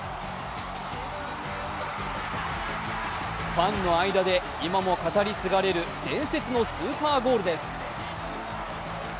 ファンの間で今も語り継がれる伝説のスーパーゴールです。